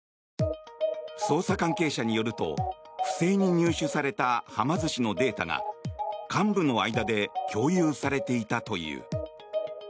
捜査関係者によると不正に入手されたはま寿司のデータが幹部の間で共有されていたという。